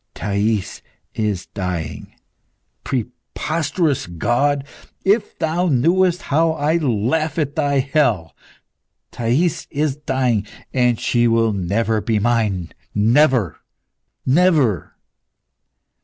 ... Thais is dying! Preposterous God, if thou knewest how I laugh at Thy hell! Thais is dying, and she will never be mine never! never!"